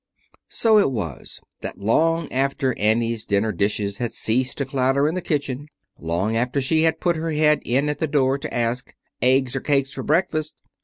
So it was that long after Annie's dinner dishes had ceased to clatter in the kitchen; long after she had put her head in at the door to ask, "Aigs 'r cakes for breakfast?"